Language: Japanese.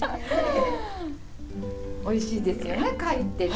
おいしいですよね貝ってね。